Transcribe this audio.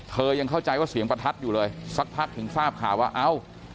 ยังเข้าใจว่าเสียงประทัดอยู่เลยสักพักถึงทราบข่าวว่าเอ้า